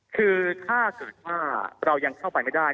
คือถ้าเกิดว่าเรายังเข้าไปไม่ได้